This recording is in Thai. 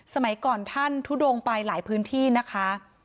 สมัยก่อนท่านทุดงไปหลายพื้นที่นะคะ